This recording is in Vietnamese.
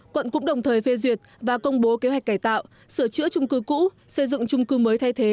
quận cũng đồng thời phê duyệt và công bố kế hoạch cải tạo sửa chữa trung cư cũ xây dựng trung cư mới thay thế